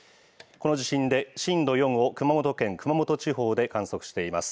この地震で震度４を熊本県熊本地方で観測しています。